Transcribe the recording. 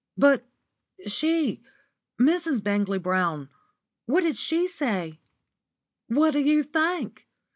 "But she Mrs. Bangley Brown what did she say?" "What do you think?